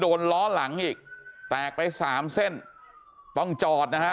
โดนล้อหลังอีกแตกไป๓เส้นต้องจอดนะค่ะ